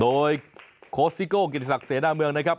โดยโคสซิโก่เกลียดหักเสน่าเมืองนะครับ